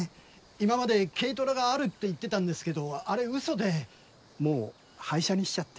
今まで軽トラがあるって言ってたんですけどあれウソでもう廃車にしちゃって。